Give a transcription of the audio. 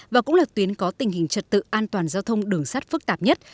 và cũng là tuyến có tình hình trật tự an toàn giao thông đường sắt phức tạp nhất